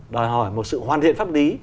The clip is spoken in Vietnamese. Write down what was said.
đòi hỏi một sự hoàn thiện pháp lý